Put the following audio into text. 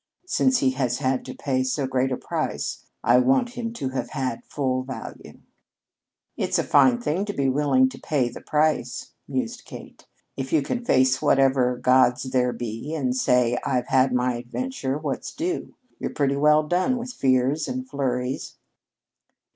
Since he has had to pay so great a price, I want him to have had full value." "It's a fine thing to be willing to pay the price," mused Kate. "If you can face whatever gods there be and say, 'I've had my adventure. What's due?' you're pretty well done with fears and flurries."